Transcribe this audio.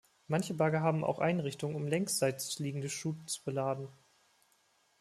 Manche Bagger haben auch Einrichtungen, um längsseits liegende Schuten zu beladen.